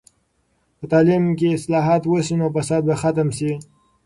که تعلیم کې اصلاحات وسي، نو فساد به ختم سي.